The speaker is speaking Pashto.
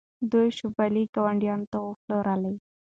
دوی شوبلې ګاونډیانو ته وپلورلې.